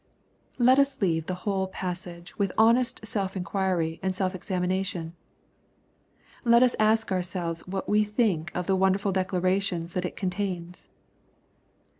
Let us leave the whole passage with honest self inquiry and self examination. Let us ask ourselves what we think of the wonderful declarations that it contains.